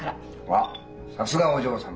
あっさすがお嬢様。